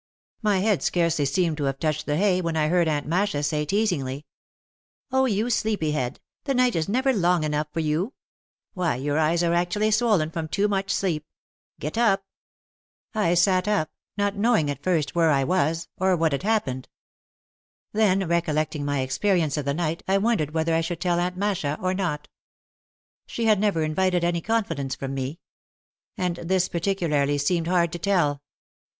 My head scarcely seemed to have touched the hay when I heard Aunt Masha say, teasingly, "Oh, you sleepy head, the night is never long enough for you. Why, your eyes are actually swollen from too much sleep. Get up." I sat up, not knowing at first where I was or what 60 OUT OF THE SHADOW had happened. Then recollecting my experience of the night I wondered whether I should tell Aunt Masha or not. She had never invited any confidence from me. And this particularly seemed hard to tell.